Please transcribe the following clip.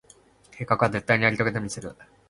計画は、絶対にやり遂げてみせる。